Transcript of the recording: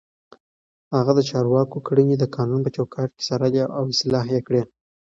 هغه د چارواکو کړنې د قانون په چوکاټ کې څارلې او اصلاح يې کړې.